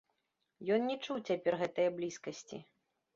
Ён не чуў цяпер гэтае блізкасці.